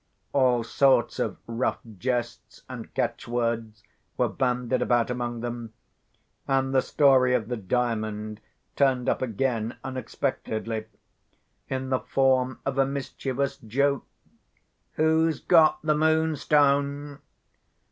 All sorts of rough jests and catchwords were bandied about among them; and the story of the Diamond turned up again unexpectedly, in the form of a mischievous joke. "Who's got the Moonstone?"